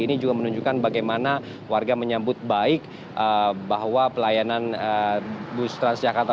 ini juga menunjukkan bagaimana warga menyambut baik bahwa pelayanan bus transjakarta